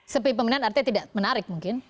sepi peminat artinya tidak menarik mungkin